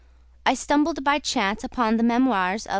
I stumbled by chance upon the Memoirs of M.